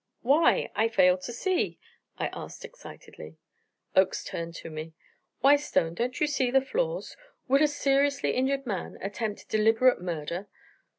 "Why? I fail to see!" I asked excitedly. Oakes turned to me: "Why, Stone, don't you see the flaws? Would a seriously injured man attempt deliberate murder?